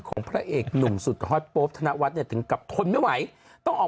พระเอกหนุ่มสุดฮอตโป๊ปธนวัฒน์เนี่ยถึงกับทนไม่ไหวต้องออก